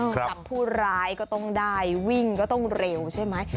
จับผู้ร้ายก็ต้องได้วิ่งก็ต้องเร็วใช่ไหม